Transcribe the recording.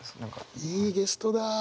いいゲストだあ。